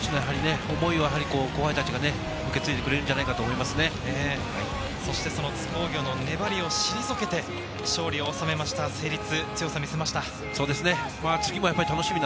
先輩たちの思いを後輩たちが受け継いでくれるんじゃないかその津工業の粘りを退けて、勝利を収めた成立、強さを見せました。